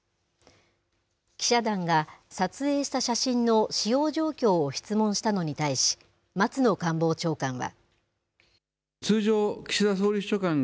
記者団が、撮影した写真の使用状況を質問したのに対し、松野官房長官は。